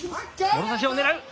もろ差しを狙う。